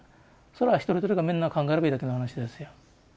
それは一人一人がみんな考えればいいだけの話ですよ。